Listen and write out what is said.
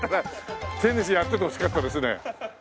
テニスやっててほしかったですね。